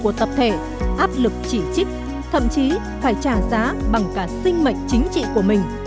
của tập thể áp lực chỉ trích thậm chí phải trả giá bằng cả sinh mệnh chính trị của mình